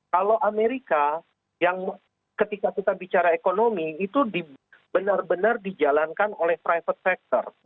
kalau amerika yang ketika kita bicara ekonomi itu benar benar dijalankan oleh private sector